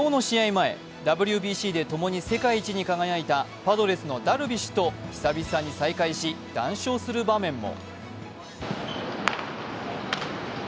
前、ＷＢＣで共に世界一に輝いたパドレスのダルビッシュと久々に再会し談笑する場面も。